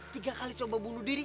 tiga kali coba bunuh diri